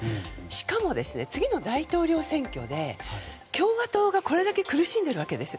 しかも、次の大統領選挙で共和党がこれだけ苦しんでいるわけです。